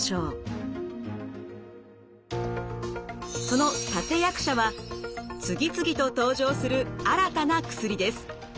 その立て役者は次々と登場する新たな薬です。